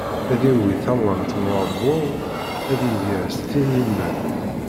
Ad yagi tawant n uɛebbuḍ ad yidir s tin n yiman.